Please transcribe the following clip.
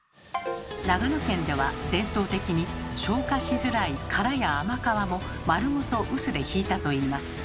長野県では伝統的に消化しづらい殻や甘皮も丸ごと臼でひいたといいます。